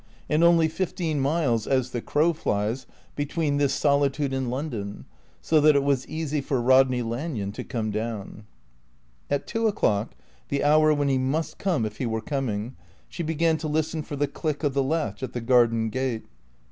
And only fifteen miles, as the crow flies, between this solitude and London, so that it was easy for Rodney Lanyon to come down. At two o'clock, the hour when he must come if he were coming, she began to listen for the click of the latch at the garden gate.